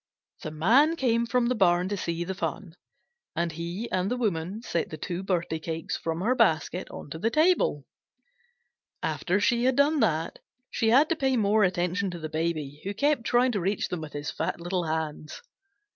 The Man came from the barn to see the fun, and he and the Woman set the two birthday cakes from her basket onto the table. After she had done that, she had to pay more attention to the Baby, who kept trying to reach them with his fat little hands.